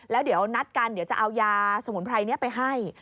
แล้วเดี๋ยวนัดกันเดี๋ยวจะเอายาสมุนไพรนี้ไปให้